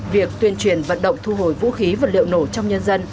việc tuyên truyền vận động thu hồi vũ khí vật liệu nổ trong nhân dân